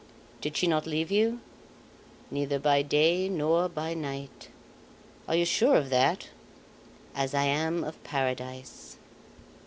"Did she not leave you?" "Neither by day nor by night." "Are you sure of that?" "As I am of Paradise."